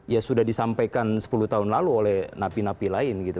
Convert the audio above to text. ya sudah disampaikan sepuluh tahun lalu oleh napi napi lain gitu